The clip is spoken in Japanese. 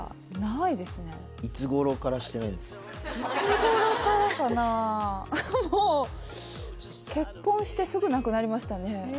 いつ頃からかなあもう結婚してすぐなくなりましたね